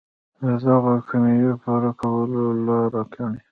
د دغو کمیو د پوره کولو لاره ګڼي.